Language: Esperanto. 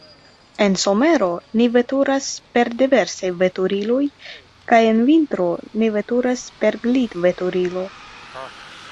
En somero ni veturas per diversaj veturiloj, kaj en vintro ni veturas per glitveturilo.